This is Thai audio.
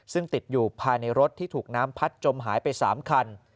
ซึ่งติดอยู่ภายในรถที่ถูกน้ำพัดจมหายไป๓คัน